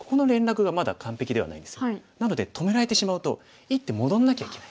なので止められてしまうと１手戻んなきゃいけない。